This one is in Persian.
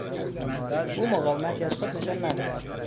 او مقاومتی از خود نشان نداد.